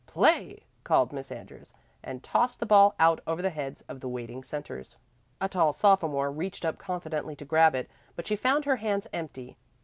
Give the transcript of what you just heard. "Play!" called Miss Andrews, and tossed the ball out over the heads of the waiting centres. A tall sophomore reached up confidently to grab it, but she found her hands empty.